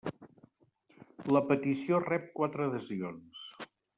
La petició rep quatre adhesions.